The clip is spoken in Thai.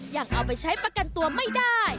ยังเอาไปใช้ประกันตัวไม่ได้